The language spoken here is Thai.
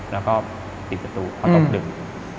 เราก็ปิดประตูพอตกดึง